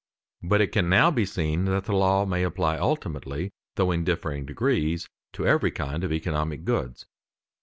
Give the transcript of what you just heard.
But it can now be seen that the law may apply ultimately, though in differing degrees, to every kind of economic goods.